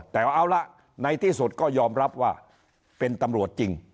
แต่เอาละในที่สุดก็ยอมรับว่าเป็นตำรวจจริง